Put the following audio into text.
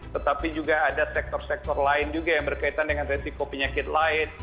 tetapi juga ada sektor sektor lain juga yang berkaitan dengan resiko penyakit lain